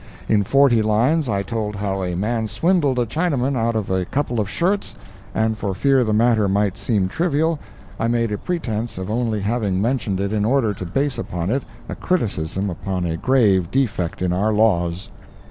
"In forty lines I told how a man swindled a Chinaman out of a couple of shirts, and for fear the matter might seem trivial, I made a pretense of only having mentioned it in order to base upon it a criticism upon a grave defect in our laws.